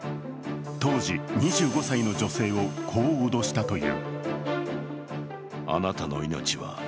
当時２５歳の女性をこう脅したという。